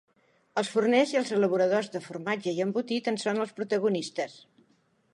Els forners i els elaboradors de formatge i embotit en són els protagonistes.